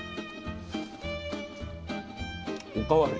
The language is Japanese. お代わり。